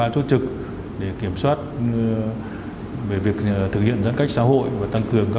ba chốt trực để kiểm soát